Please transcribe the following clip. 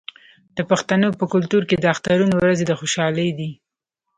د پښتنو په کلتور کې د اخترونو ورځې د خوشحالۍ دي.